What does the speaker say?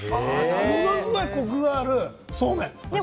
ものすごくコクがあるそうめん。